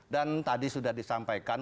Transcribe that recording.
dan tadi sudah disampaikan